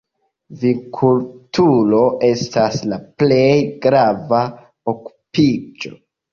Vinkulturo estas la plej grava okupiĝo.